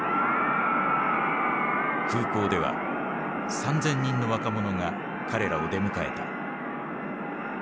空港では３，０００人の若者が彼らを出迎えた。